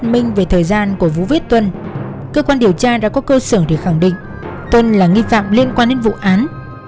minh về thời gian của vũ viết tuân cơ quan điều tra đã có cơ sở để khẳng định tuân là nghi phạm liên quan đến vụ án